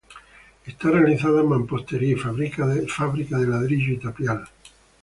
Está realizada en mampostería y fábrica de ladrillo y tapial.